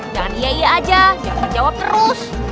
jangan iya iya aja jangan jawab terus